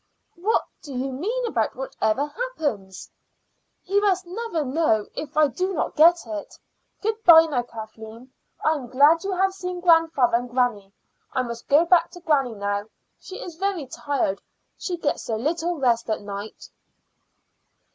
"What do you mean about whatever happens?" "He must never know if I do not get it. Good bye now, Kathleen. I am glad you have seen grandfather and granny. I must go back to granny now. She is very tired; she gets so little rest at night."